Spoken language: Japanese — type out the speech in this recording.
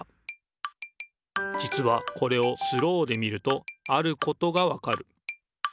じつはこれをスローで見るとあることがわかる。